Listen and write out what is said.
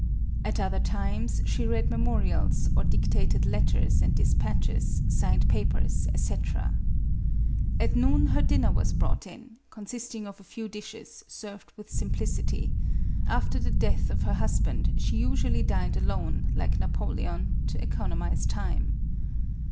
At other times, she read memorials, or dictated letters and de spatches, signed papers, &c. At noon, her dinner was brought in, consisting of a few dishes, served with sim plicity; after the death of her husband she usually dined alone, like Napoleon, to economize time.